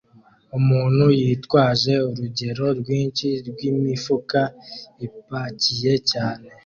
Umuntu yitwaje urugero rwinshi rwimifuka ipakiye cyane